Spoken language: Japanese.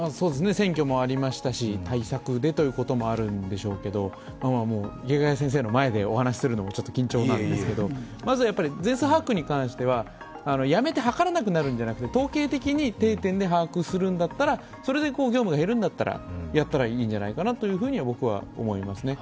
選挙もありましたし、対策でということもあるんでしょうけど、池谷先生の前でお話しするのも緊張なんですけど、まずやっぱり全数把握に関してはやめてはからなくなるんじゃなくて統計的に定点観測するんだったら、それで業務が減るんだったらやったらいいんじゃないかなと僕は思いますね。